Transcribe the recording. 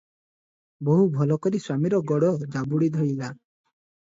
ବୋହୂ ଭଲ କରି ସ୍ୱାମୀର ଗୋଡ଼ ଜାବଡ଼ି ଧଇଲା ।